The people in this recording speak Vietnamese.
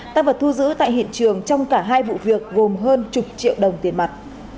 tăng vật thu giữ tại hiện trường trong cả hai vụ việc gồm hơn chục triệu đồng tiền mặt